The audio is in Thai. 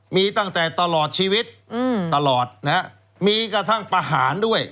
มีตั้งแต่ตลอดชีวิตตลอดนะฮะมีกระทั่งประหารด้วย